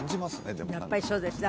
でもやっぱりそうですね